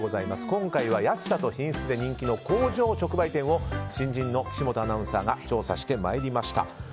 今回は安さと品質で人気の工場直売店を新人の岸本アナウンサーが調査してまいりました。